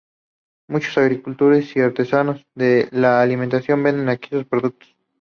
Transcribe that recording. Muchos agricultores y artesanos de la alimentación venden aquí sus productos.